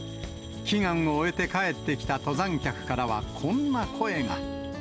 祈願を終えて帰ってきた登山客からは、こんな声が。